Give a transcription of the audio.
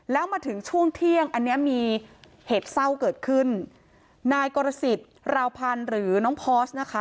แล้วมาถึงช่วงเที่ยงอันเนี้ยมีเหตุเศร้าเกิดขึ้นนายกรสิทธิ์ราวพันธ์หรือน้องพอสนะคะ